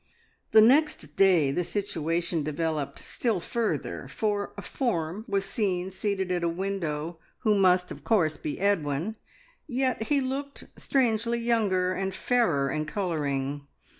The next day the situation developed still further, for a form was seen seated at a window, who must, of course, be Edwin; yet he looked strangely younger and fairer in colouring.